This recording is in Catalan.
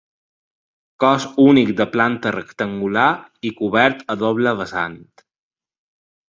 Cos únic de planta rectangular i cobert a doble vessant.